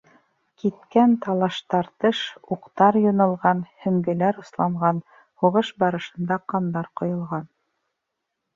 Киткән талаш-тартыш, уҡтар юнылған, һөңгөләр осланған, һуғыш барышында ҡандар ҡойолған.